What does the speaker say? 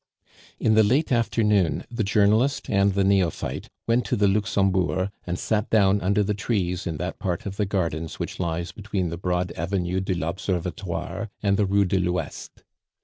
In the late afternoon the journalist and the neophyte went to the Luxembourg, and sat down under the trees in that part of the gardens which lies between the broad Avenue de l'Observatoire and the Rue de l'Ouest.